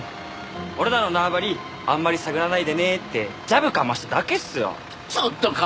俺らの縄張りあんまり探らないでねーってジャブかましただけっすよ。